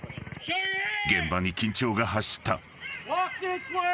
［現場に緊張が走った］